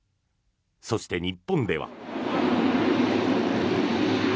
そして、日本では。